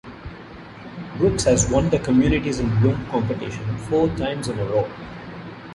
Brooks has won the Communities in Bloom competition four times in a row.